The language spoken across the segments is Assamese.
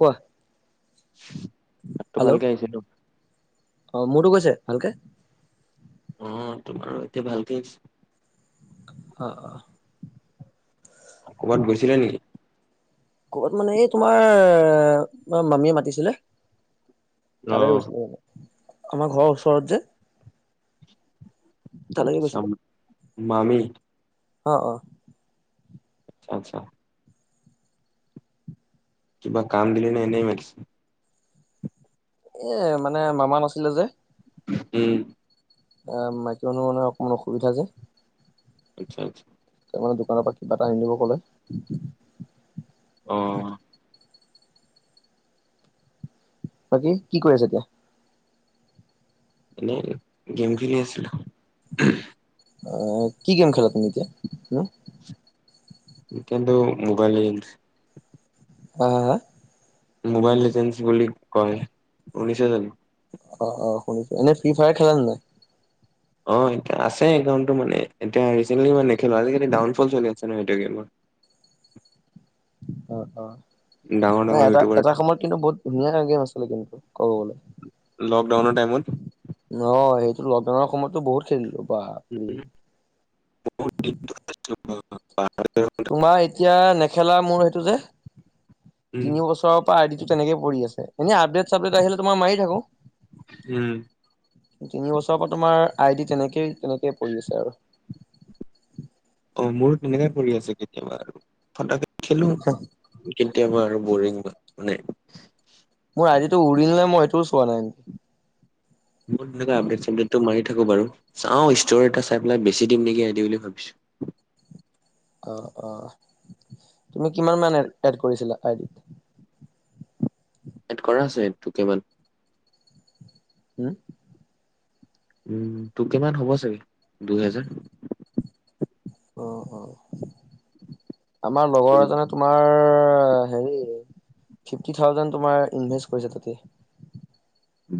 কোৱা উ মাত টো হেল্ল' ভালকে আহিছে টো। অ মোৰোটো গৈছে ভালকে। অ তোমাৰো এতিয়া ভালকে অ অঁ ক'ৰবাত গৈছিলে নেকি? ক'ত মানে এই তোমাৰ মামীয়ে মাতিছিলে। অ তালৈ গৈছিলোঁ এনে আমাৰ ঘৰৰ ওচৰত যে। তালৈকে আচছা গৈছিলো মামি অ অ আচ্ছা আচ্ছা কিবা কাম দিলে নাই এনে মাতিছে। এ মানে মামা নাছিলে যে উম অ ম কিয়নো মানে অকণমান অসুবিধা যে। আচ্ছা আচ্ছা ত মানে দোকানৰ পৰা কিবা এটা আনি দিব কলে। অ বাকী কি কৰি আছে এতিয়া? এনেই গেম খেলি আছিলো আহ কি গেম খেলা তুমি এতিয়া ন। একেন্ত মোবাইল হ হা মোবাইল এজেঞ্চি বুলি কয় উশ অ অ শুনিছো এনে ফ্ৰী ফায়াৰ খেলা নে নাই অ এতিয়া আছে একাউণ্টটো মানে এতিয়া ৰিচেটলি মান দেখো আজিকালি ডাউনফল চলি আছে ন সেইটো গেমত। অ অ নাই ডাঙৰ এটা ইউটিউবাৰ এটা সময়ত কিন্তু বহুত ধুনীয়া গেম আছিলে কিন্তু কবলে লকডাউনৰ টাইমত ন সেইটো। লকডানৰ সমতো বহত খেলোঁ। উ [unintelligible] অ ব তোমাৰ এতিয়া নেখেলা মোৰ সেইটো যে। উম তিনি বছৰৰ পৰা আইডিটো তেনেকে পৰি আছে। এনে আপডেট চাবডেট আহিলে তোমাৰ মাৰি থাকো। উম তিনি বছৰৰ পৰা তোমাৰ আই ডি তেনেকেই তেনেকেই পৰি আছে আৰু। অ মোৰো তেনেকে পৰি আছে কেতিয়াবা আৰু ঠান্দাত। খেলো কেতিয়াবা। কেতিয়াবা আৰু বৰিং মানে। আজিতটো উৰি নাই মই সেইটোও চোৱা নাই ন চটো আমলেত তু মাৰি দিয়ে। [unintelligible] বাৰু চাওঁ ষ্টৰ এটা চাই পেলাই বেছি দিম নেকি আই দি বুলি ভাবিছো। অ অ তুমি কিমান মান এড কৰিছিলা আইডিত। এড কৰা আছে তোকে মান হম উম টু কে মান হ'ব চাগে দু হেজাৰ আহ অ আমাৰ ত লগৰ এজনে তোমাৰ অ হেৰি ফিপ্টি থ্ৰাউজেন তুমাৰ ইনভেষ্ট কৰিছে তাতেই।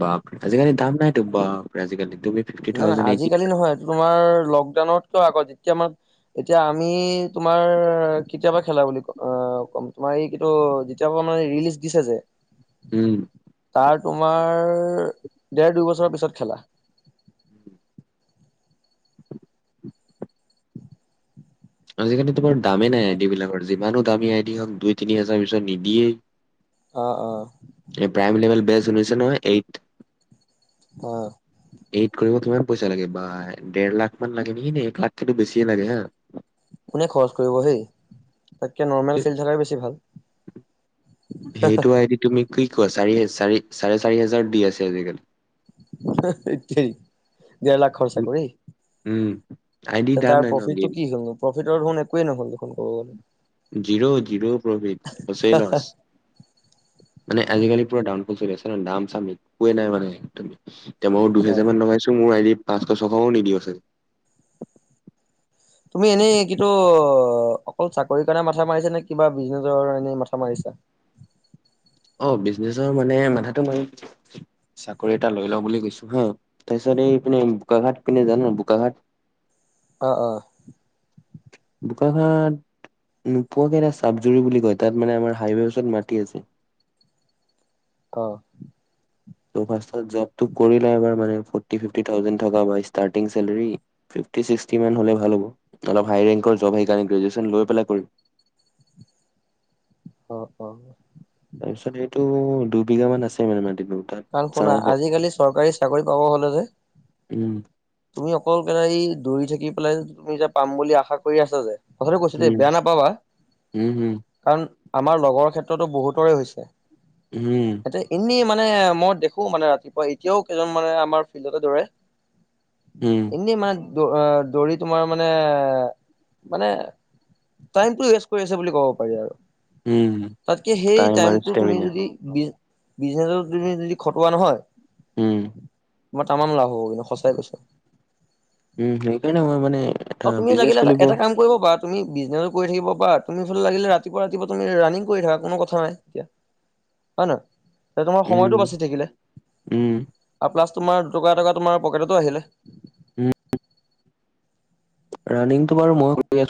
বাপৰে আজিকালি দাম নাইতো বাপৰে আজিকালি। তুমি ফিফটি নাই নাই থাউজেণ্ড এইটি আজিকালি নহয়টো তোমাৰ লকডাউনত। আকৌ যেতিয়া মান এতিয়া আমি তোমাৰ কেতিয়াবা খেলা বুলি ক অ কম তোমাৰ এই কি যেতিয়া মানে ৰিলিজ দিছে যে উম আৰু তোমাৰ দেৰ দুই বছৰ পিছত খেলা। আজিকালি তোমাৰ দামেই নাই আই ডি বিলাকৰ, যিমানো দামী আই ডি হওক দুই তিনি হাজাৰ পিছত নিদিয়েই। অ অ এই প্ৰাইম লেভেল বেছ। শুনিছে নহয় এইট অঁ এইত কৰিব কিমান পইচা লাগে বা দেৰ লাখ মান লাগে নেকি নে এক লাখকেতু বেছিয়ে লাগে হা। কোনে খৰচ কৰিব হেই তাককে নৰ্মেল খেল থাকাই বেছি ভাল। সেইটো আইদি তুমি? কি কয় চাৰে চাৰি হেজাৰ দি আছে আজি কালি। হে হে ঠেই। ডেৰ লাখৰ চাকৰি, উম আইডি ত দাম তাৰ নাই ন প্ৰফিটটো গেম কি হব কক? [unintelligible] জিৰ জিৰ প্ৰভফিত হৈছে নহ মানে আজিকালি পুৰা দাম তু চলি আছে নহ, দাম চাম একোৱেই নাই মানে একদম। মইয়ো হয় দুহেজা মান লগাইছোঁ মোৰ আইডিত। পাঁচশ ছশও নিদিব চাগে। তুমি এনেই কিন্তু অকল চাকৰিৰ কাৰণে মাথা মাৰিছা নে কিবা বিজনেছৰ কাৰণেও এনেই মাথা মাৰিছা? অ বিজনেচৰ মানে মাথাটো মাৰিম, চাকৰি এটা লৈ লওঁ বুলি কৈছো হা, তাৰপিছত এই পিনে বোকা খাট পিনে জান বোকা খাট অ অ বোকাখাট নোপোৱাকে এটা চাবজুৰি বুলি কয়, তাত মানে আমাৰ হাইৱে ওচৰত মাটি আছে। অ ত' ফাষ্ট-ফাষ্ট জবটো কৰিলে এবাৰ মানে ফৰটি-ফিফ্ৰটি থাউজেণ্ড থকা পৰা ষ্টাৰ্টিং চেলৰি ফিফ্ৰটি-ছ্ৰিকটি মান হ'লে ভাল হ'ব। তাৰপা ভাল ৰেংকৰ জব সেইকাৰণে গ্ৰেজুৱেচন লৈ পেলাই কৰিম। উম উম তো দুবিঘা মান আছে মানে মা কাৰণ শুনা, আজিকালি চৰকাৰী চাকৰি পাব হ'লে যে উম। তুমি অকল কেলা এই দৌৰি থাকি পেলাই, তুমি যে পাম বুলি আশা কৰি আছা যে কথাটো কৈছোঁ দেই, উম বেয়া নাপাবা উম হম কাৰণ আমাৰ লগৰ ক্ষেত্ৰতো বহুতৰে হৈছে। উম তাতে এনেই মানে মই দেখো, মানে ৰাতিপুৱা এতিয়াও কেইজন মানে আমাৰ ফিল্ডতে দৌৰে। উম এনেই মা দ অ দৌৰি তোমাৰ মানে, মানে টাইমটো ৱেষ্ট কৰি আছে বুলি ক'ব পাৰি আৰু। উম তাতকে, সেই টাইম আৰু টাইমতো তুমি ষ্টেমিনা যদি বিজ বিজনেছত তুমি যদি খটোৱা নহয় উম তোমাৰ তামাম লাভ হব কিন্তু, সঁচাই কৈছোঁ। উম' সেইকাৰণে মই মানে এটা বিজনেছ খুলিব বা তুমি বিজনেছো কৰি থাকিব বা তুমি ইফালে লাগিলে ৰাতিপুৱা-ৰাতিপুৱা তুমি ৰাণিং কৰি থাকা, কোনো কথা নাই এতিয়া হয় নহয়? তে তোমাৰ সময়টো উম বাচি থাকিলে উম আৰু প্লাছ তোমাৰ দুটকা- এটকা তোমাৰ পকেটতো আহিলে। উম। ৰাণিংটো বাৰু মই [unintelligible]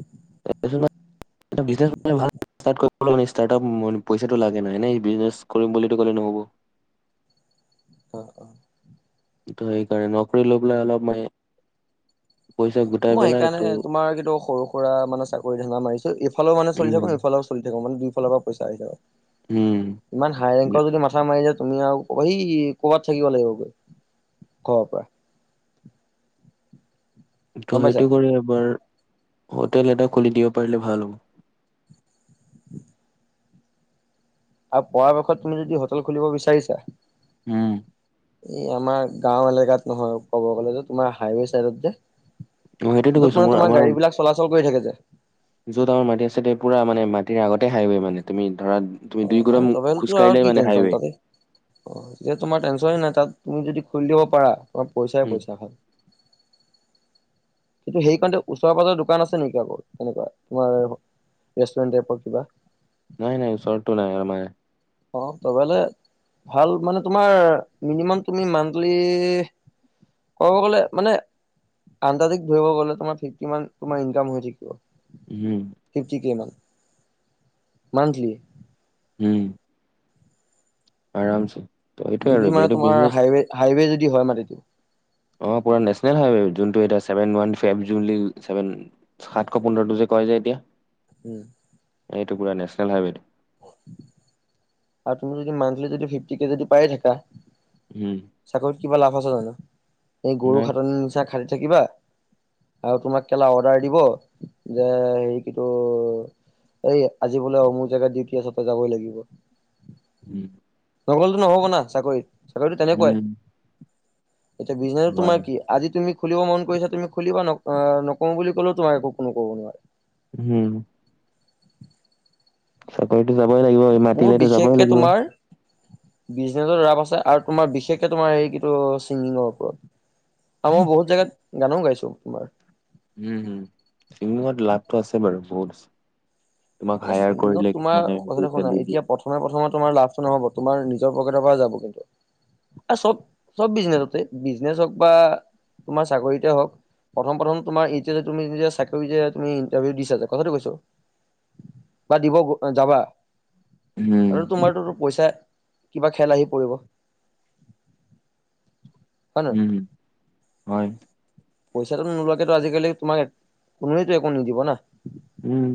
উহুম [unintelligible] পইচাটো লাগে নাই, এনে বিজনেছ কৰিম বুলি ক'লেটো নহ'ব। অ-অ - অ ত' সেইকাৰণে, নকৰি লৈ পেলাই অলপ মানে পইচা গোটাই মই পেলাই এইটো সেইকাৰণে তোমাৰ কিন্তু সৰু সুৰা মানে চাকৰি ধানদা মাৰিছো। এইফালও মানে চলি থাকো উম এইফালেও চলি থাকক মানে। ফালৰ পৰাই পইছা আহি যায়। উম ইমান হাইৰেংকৰ যদি মাথা মাৰি যাও তুমি আৰু সি কৰ'বাত থাকিব লাগিব গে ঘৰৰ পৰা। তো গম পাইছা সেইটো কৰি এবাৰ হোটেল এটা খুলি দিব পাৰিলে ভাল হ'ব। আৰু পৰাপক্ষত তুমি যদি হোটেল খুলিব বিচাৰিছা উম এই আমাৰ গাও এলেকাত নহয়। ক'ব গ'লে যে তোমাৰ হাইৱে চাইডত যে মই সেইটোতো কৈছো য'ত মানে মোৰ তোমাৰ আমাৰ গাড়ী বিলাক চলাচল কৰি থাকে। [unintelligible] য'ত আমাৰ মাটি ছাটি পুৰা মানে মাটিৰ আগতে হাই ৱে মানে তুমি ধৰা তুমি অ দুই [unintelligible] কদম আৰু খোজকাঢ়িলে কি মানে টেনচন হাইৱে তাতে। অ এতিয়া তোমাৰ টেনচন এ নাই, তাত তুমি যদি খুলি দিব পাৰা অলপ পইচাই উম পইচা ভাল। কিন্তু সেই কাৰণে টো ওচৰ পাঁজৰৰ দোকান আছে নেকি আকৌ তেনেকুৱা? তোমাৰ ৰেষ্টুৰেণ্ট টাইপৰ কিবা? নাই, নাই চৰতো নাই আমাৰ। অ ভ মান ভাল মানে তোমাৰ মিনিমাম তুমি মান্থলী কব গলে মানে আন্দাজি ধৰিব গলে তোমাৰ ফিফটি মান তোমাৰ ইনকাম হৈ থাকিব। উম ফিফটি কিমান? মান্থলি? হুম। আৰামছে। এইটোয়ে যদি আৰু মানে এইটো তোমাৰ বিজনেছ হাই -হাইৱে যদি যদি হয় মানে এইটো অ পুৰা নেচনেল হাই ৱে যোনটো এতিয়া চেভেন ওৱান ফাইভ জুন লৈকে চেভেন সাতশ পোন্ধৰটো যে কৈ যে। উম এইটুকুৰা নেচনেল হাই ৱে টো। [unintelligible] আৰু তুমি যদি মান্থলি যদি ফিফটি কে যদি পায়ে থাকা উম চাকৰিত কিবা লাভ সঁচা হৈ ন? এই গৰু নাই খাতনি নিচা খাল থাকিবা? আৰু তোমাক কেলা অৰ্ডাৰ দিব যে হেৰি কিটো এই আজি বোলে অমোক জাগাত ডিউটি আছে তই যাবই লাগিব। উম নগলে নহ'ব না চাকৰিত। চাকৰিটো তেনেকুৱাই। উম এতিয়া বিজনেছ হয় তোমাৰ হয়। কি আজি তুমি খুলিব মন কৰিছে তুমি খুলিবা ন। নকৰো বুলি ক'লেও তোমাৰ একো কোনো ক'ব নোৱাৰে। উম। চাকৰি টো যাবই লাগিব। এই মাতিলেতো যাবই লাগিব। বিজনেছত ৰাপ আছে। আৰু তোমাৰ বিশেষকে তোমাৰ এই কিটো, ছিংগিঙৰ ওপৰত। আমাৰ বহুত জেগাত গানো গাইছোঁ তোমাৰ। উম - উম। ছিংগিঙত লাভটো আছে বাৰু, বহুত আছে। তোমাক মানে হায়াৰ ছিংগিঙত কৰিলে তোমাৰ কিছুমানে কথাটো পইচা শুনা, দি দিয়ে এতিয়া প্ৰথমে প্ৰথমত তোমাৰ লাভটো নহ'ব। তোমাৰ নিজৰ পকেটৰ পৰা যাব কিন্তু। এ চব বিজনেছতে- বিজনেছ হওঁক বা তোমাৰ চাকৰিতে হওঁক, প্ৰথম - প্ৰথম তোমাৰ এতিয়া যে তুমি যেতিয়া চাকৰি যে তুমি ইণ্টাৰভিউ দিছা যে, কথাটো কৈছোঁ। বা দিব- যাবা। উম আৰু তোমাৰটোতো পইছা কিবা খেল আহি পৰিব। হয় উম। হয়। পইছাটো নোলোৱাকেতো আজিকালি তোমাক কোনোৱেটো একো নিদিব না। উম।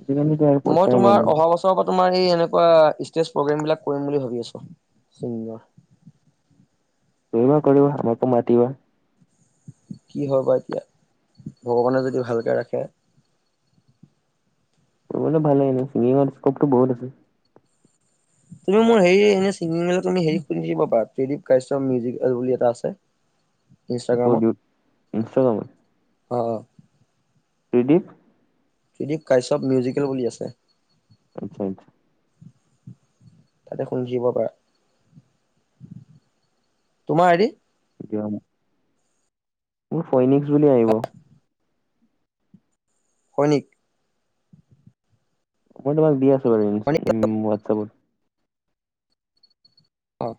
আজিকালিতো আৰু মই পইচাই মেইন তোমাৰ অহা বছৰৰ ক তোমাৰ এই এনেকুৱা ইষ্টেজ প্ৰগ্ৰেমবিলাক কৰিম বুলি ভাবি আছোঁ ছিংগিঙৰ। কৰিবা - কৰিবা। আমাকো মাতিবা। কি হয় বা এতিয়া। ভগৱানে যদি ভালকে ৰাখে। কৰিবলে ভালে। এনেও ছিংগিঙত ইস্ক'পটো বহুত আছে। তুমি মোৰ হেৰি এনে [unintelligible] ত‌‍ তুমি হেৰি খুুলি দিব পাৰা। ত্ৰিদিপ কাশ্যপ মিউজিকেল বুলি এটা আছে। টো ইনষ্টাগ্ৰামত [unintelligible] ইনষ্টাগ্ৰামত? অ' - অ'। ত্ৰিদীপ? ত্ৰিদীপ কাশ্যপ মিউজিকেল বুলি আছে। আচ্ছা - আচ্ছা। তাতে শুনি থাকিব পাৰা। তোমাৰ আইদি দিয়া মোক। মোৰ ফয়নিকছ বুলি আহিব। ফৈনিক। মই তোমাক দি আছোঁ। টো মানে ইনছ- সৈনিক ৱাটচএপত। অ'।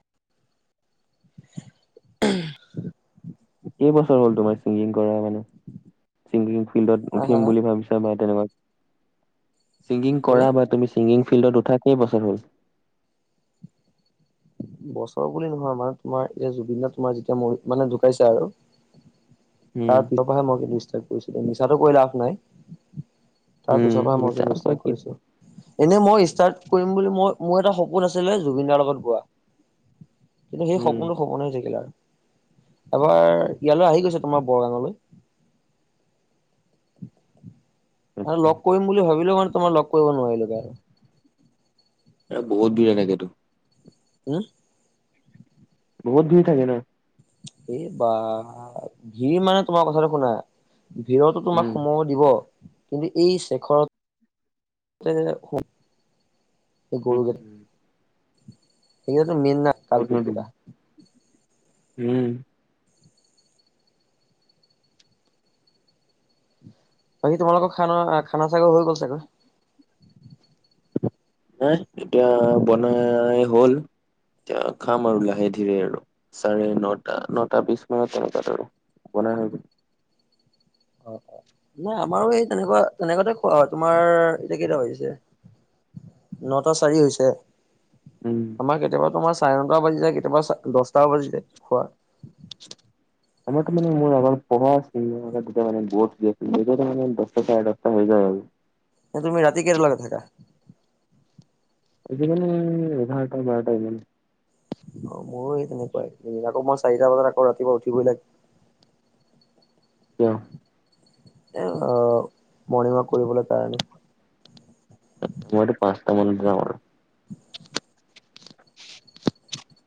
উমহ কেইবছৰ হ'ল তোমাৰ ছিংগিং কৰা মানে? ছিংগিং ফিল্ডত হা হা উঠিম হা বুলি ভাবিছা বা ধন্যবাদ। ছিংগিং বোলে কৰা বা তুমি ছিংগিং ফিল্ডত উঠা কেইবছৰ হ'ল। বছৰ বুলি নহয় মানে তোমাৰ এ জুবিন দা তোমাৰ যেতিয়া মৰি মানে ঢুকাইছে আৰু উম, তাত নপে মই ক দিছো কৰিছো মিছাটো কৈ লাভ নাই। তাৰ উম, পিছৰ পৰা মই মিছা কিন্তু কৈ ষ্টাৰট কি কৰিছো এনেই মই ষ্টাৰ্ট। কৰিম বুলি মই মোৰ এটা সপোন আছিলে জুবিন দাৰ লগত গোৱা। কিন্তু সেই উম। সপোনটো সপোন হৈ থাকিলে আৰু। এবাৰ ইয়ালৈ আহি গৈছে তোমাৰ বৰগাঙলৈ আৰু লগ কৰিম বুলি ভাবিলোও মানে তোমাৰ লগ কৰিব নোৱাৰিলোগে আৰু। এ বহুত বিৰিয়া লাগেতো উম বহুত ধূই থাকে ন। এই বা ঘিৰ মানে তোমাৰ কথাটো শুনা। ভিৰতো উম, তোমাক সোমাব দিব। কিন্তু এই শেখৰ হতে উম। হ মেইন কালপিত ক'তনো দিম কীতা উম বাকী তোমালোকৰ খানা খানা চাগৰ হৈ গ'ল চাগৈ। হ এতিয়া বনাই হ'ল এতিয়া খাম আৰু লাহে ধীৰে আৰু চাৰে নটা নটা বিশ মানত তেনেকাত আৰু বনাই হৈ গ। অ অ নাই আমাৰো এই তেনেকুৱা তেনেকুৱাতে খোৱা হয় তোমাৰ এতিয়া কেইটা হৈছে নটা চাৰি হৈছে। উম। আমাৰ কেতিয়াবা তোমাৰ। চাৰে নটা বাজি যায় কেতিয়াবা। দহটা বাজি যায় খোৱা। আমাৰ তো মানে মোৰ পঢ়া মানে ব মানে দশটা ছাৰে দশটা হৈ যায় আৰু। ন তুমি ৰাতি কেইটা লগে থাকা। আজি মানে এঘাৰটা বাৰটা ইমানে। অ মোৰো স তেনেকুৱাই আকৌ মই চাৰিটা বজাত আকৌ ৰাতিপুৱা উঠিবই লাগ ক আহ মৰ্ণিং ৱাক কৰিবলৈ কাৰণে। মাৰ পাঁচটা মানত যাম আৰু।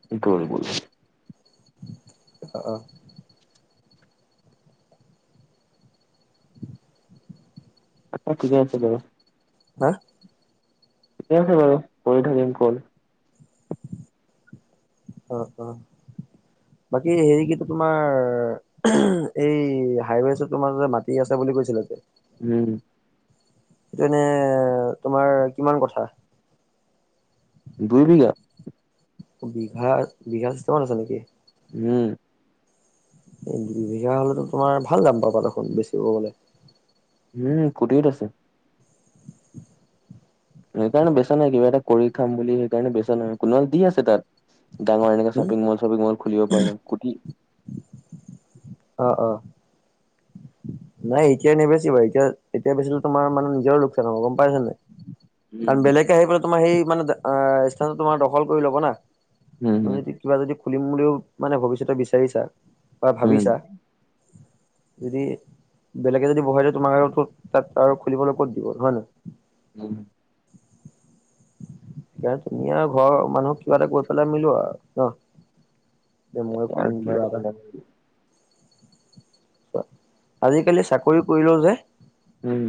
কিটো কৰিব। অ অ আচ্ছা ঠিকে আছে বাৰু। হা ঠিকে আছে বাৰু কৰি থাকিম কল। অ অ বাকী হেৰি কি তোমাৰ এই হাইৱে তোমাৰ যে মাটি আছে বুলি কৈছিলা যে। উম সেইটো এনে তোমাৰ কিমান কথা দুই বিঘা বিঘা বিঘা চিষ্টেমত আছে নেকি। উম, এই দুই বিঘা হলেতো তোমাৰ ভাল দাম পাবা দেখোন বেচিব গলে। উম, কুটিত আছে। সেইকাৰণে বেচা নাই কিবা এটা কৰি খাম বুলি সেইকাৰণে বেচা নাই কোনোবাক দি আছে তাত। ডাঙৰ এনেকা হম শ্বপিং মল- শ্বপিং মল খুলিব পাৰা কুটি অহ - অহ নাই এতিয়াই নেবেচিবা এতিয়া -এতিয়া বেচিলে তোমাৰ মানে নিজৰ লোকচান হ'ব গম পাই নে নাই? কাৰণ বেলেগে আহি পেলাই তোমাৰ সেই মানে অহ স্থান তোমাৰ দখল কৰি লব না। উম তুমি উম যদি কিবা যদি খুলিম বুলিও মানে ভৱিষ্যতে বিচাৰিছা বা ভাবিছা- যদি- বেলেগে যদি বহাই দে তোমাক আৰু তত আৰু খুলিবলৈ কত দিব হয় নাই। উম, সেইকাৰণে তুমি আৰু ঘৰৰ মানুহক কিবা এটা কৈ পেলাই মিলোৱা নহ। যে মই খুলিম কিবা এটা। উম [inaudible] কোৱা আজিকালি চাকৰি কৰিলেও যে উম,